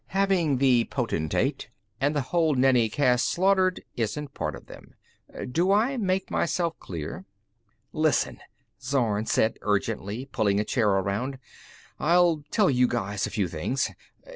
Having the Potentate and the whole Nenni caste slaughtered isn't part of them. Do I make myself clear?" "Listen," Zorn said urgently, pulling a chair around. "I'll tell you guys a few things.